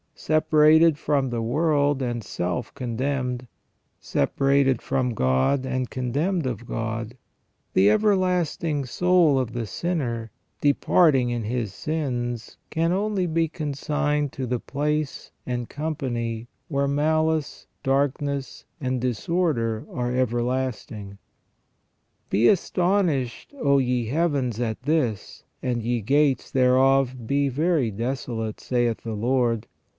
Separated from the world and self condemned, separated from God and condemned of God, the everlasting soul of the sinner departing in his sins can only be consigned to the place and company where malice, darkness, and disorder are everlasting. " Be astonished, oh, ye heavens, at this, and ye gates thereof be very desolate, saith the Lord.